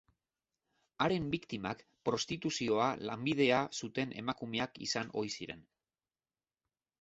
Haren biktimak prostituzioa lanbidea zuten emakumeak izan ohi ziren.